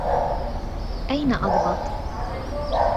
أين أضغط؟